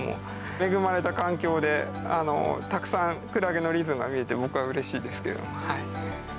恵まれた環境でたくさんクラゲのリズムが見れて僕はうれしいですけれども。